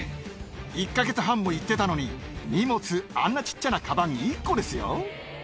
１か月半も行ってたのに、荷物、あんなちっちゃなかばん１個ですよ。